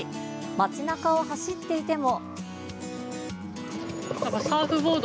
街なかを走っていても。